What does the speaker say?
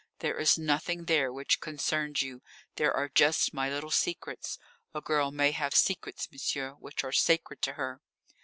There is nothing there which concerns you. There are just my little secrets. A girl may have secrets, monsieur, which are sacred to her."